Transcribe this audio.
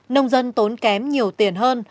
nông dân tốn kém nhiều tiền hơn